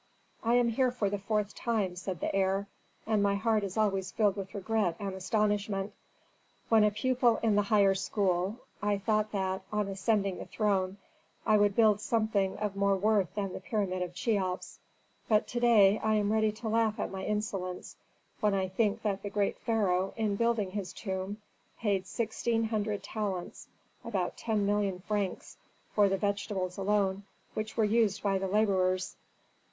"I am here for the fourth time," said the heir, "and my heart is always filled with regret and astonishment. When a pupil in the higher school, I thought that, on ascending the throne, I would build something of more worth than the pyramid of Cheops. But to day I am ready to laugh at my insolence when I think that the great pharaoh in building his tomb paid sixteen hundred talents (about ten million francs) for the vegetables alone which were used by the laborers.